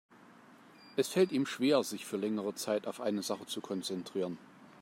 Es fällt ihm schwer, sich für längere Zeit auf eine Sache zu konzentrieren.